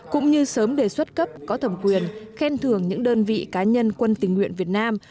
cũng như sớm đề xuất cấp có thẩm quyền khen thưởng những đơn vị cá nhân quân tình nguyện việt nam